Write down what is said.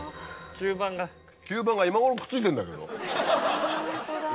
吸盤が今ごろくっついてるんだけど。